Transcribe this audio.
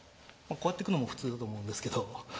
こうやってくのも普通だと思うんですけど。